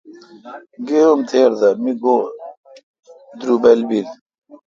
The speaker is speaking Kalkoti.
گے ام تھیر دہ میگو درُبل بیل۔